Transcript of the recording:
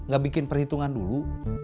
gak bikin perhitungan dulu